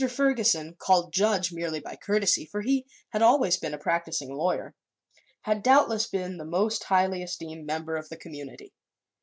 Ferguson called "Judge" merely by courtesy, for he had always been a practicing lawyer had doubtless been the most highly esteemed member of the community.